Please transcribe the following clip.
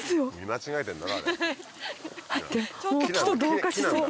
待ってもう木と同化しそう。